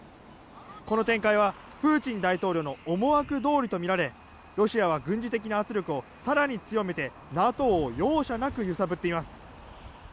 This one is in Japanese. この展開はプーチン大統領の思惑どおりとみられロシアは軍事的な圧力を更に強めてＮＡＴＯを容赦なく揺さぶっています。